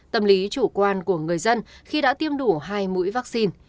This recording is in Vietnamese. tâm lý chủ quan của người dân khi đã tiêm đủ hai mũi vaccine